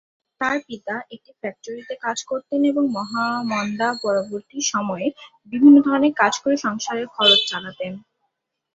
তার পিতা একটি ফ্যাক্টরিতে কাজ করতেন এবং মহামন্দা পরবর্তী সময়ে বিভিন্ন ধরনের কাজ করে সংসারের খরচ চালাতেন।